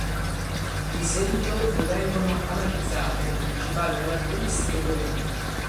Di seguito ne vengono analizzate le principali caratteristiche per ognuno.